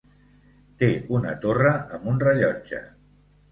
Té una torre amb un rellotge.